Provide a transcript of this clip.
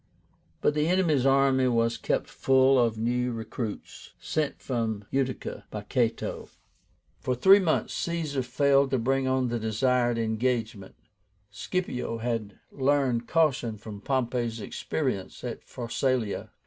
But the enemy's army was kept full of new recruits sent from Utica by Cato. For three months Caesar failed to bring on the desired engagement; Scipio had learned caution from Pompey's experience at Pharsalia.